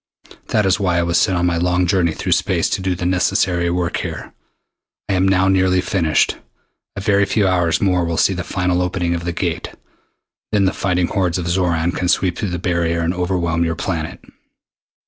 That is why I was sent on my long journey through space to do the necessary work here. I am now nearly finished. A very few hours more will see the final opening of the Gate. Then the fighting hordes of Xoran can sweep through the barrier and overwhelm your planet.